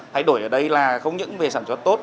thay đổi ở đây là không những về sản xuất tốt